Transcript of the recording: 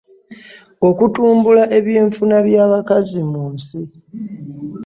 Okutumbula ebyenfuna by’abakazi mu nsi.